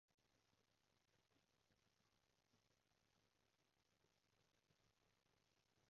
睇嚟你腦海一路有呢啲諗法先可以咁快向呢方面諗